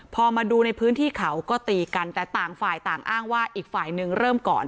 พอมาดูในพื้นที่เขาก็ตีกันแต่ต่างฝ่ายต่างอ้างว่าอีกฝ่ายหนึ่งเริ่มก่อน